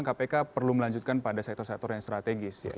dpr belum melanjutkan pada sektor sektor yang strategis